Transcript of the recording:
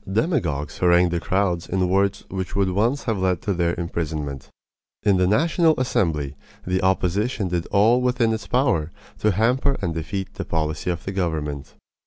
Demagogues harangued the crowds in words which would once have led to their imprisonment. In the National Assembly the opposition did all within its power to hamper and defeat the policy of the government.